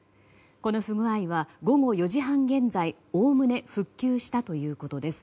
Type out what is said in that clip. この不具合は午後４時半現在おおむね復旧したということです。